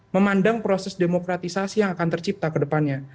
memandang proses demokratisasi yang akan tercipta ke depannya